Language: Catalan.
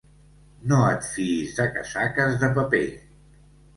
No et fiïs de casaques de paper.